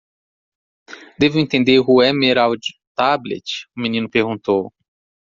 "Devo entender o Emerald Tablet?" o menino perguntou.